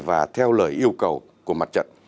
và theo lời yêu cầu của mặt trận